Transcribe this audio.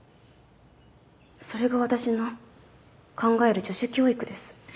それが私の考える女子教育です。